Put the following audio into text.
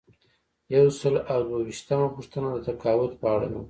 یو سل او دوه ویشتمه پوښتنه د تقاعد په اړه ده.